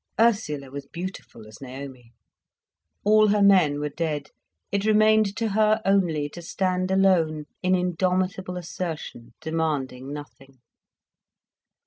Ursula was beautiful as Naomi. All her men were dead, it remained to her only to stand alone in indomitable assertion, demanding nothing.